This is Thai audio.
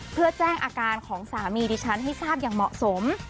เพื่อแจ้งอาการของสามีดิฉันให้ทราบอย่างเหมาะสม